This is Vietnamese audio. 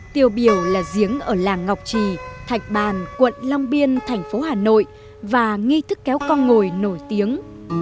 tiêu biểu là giếng ở làng ngọc trì thạch bàn quận long biên thành phố hà nội và nghi thức kéo con ngồi nổi tiếng